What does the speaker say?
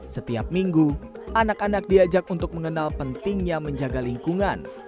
setiap minggu anak anak diajak untuk mengenal pentingnya menjaga lingkungan